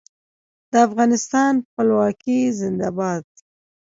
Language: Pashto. د افغانستان خپلواکي زنده باد.